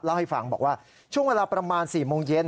เล่าให้ฟังบอกว่าช่วงเวลาประมาณ๔โมงเย็น